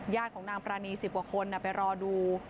ญาติของนางประณี๑๐คนไปรอดู